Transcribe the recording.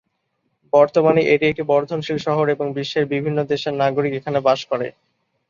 বর্তমানে এটি একটি বর্ধনশীল শহর এবং বিশ্বের বিভিন্ন দেশের নাগরিক এখানে বাস করে।